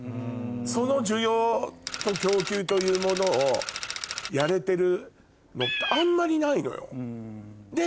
その需要と供給というものをやれてるのってあんまりないのよ。